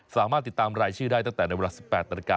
สามารถติดตามรายชื่อได้ตั้งแต่ในเวลา๑๘นาฬิกา